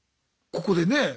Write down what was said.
ここでねえ